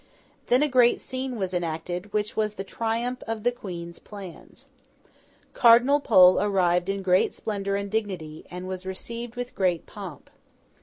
Then a great scene was enacted, which was the triumph of the Queen's plans. Cardinal Pole arrived in great splendour and dignity, and was received with great pomp.